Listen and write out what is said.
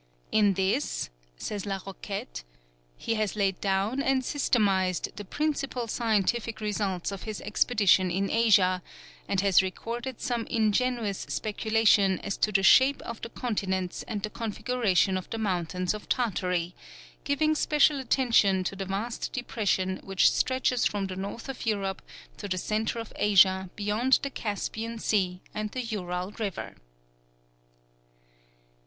"In this," says La Roquette, "he has laid down and systematized the principal scientific results of his expedition in Asia, and has recorded some ingenious speculation as to the shape of the continents and the configuration of the mountains of Tartary, giving special attention to the vast depression which stretches from the north of Europe to the centre of Asia beyond the Caspian Sea and the Ural River."